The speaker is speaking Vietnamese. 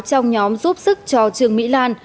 trong nhóm giúp sức cho trương mỹ lan